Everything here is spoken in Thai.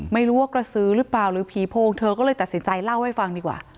ไม่รู้ว่ากระสือหรือเปล่าหรือผีโพงเธอก็เลยตัดสินใจเล่าให้ฟังดีกว่า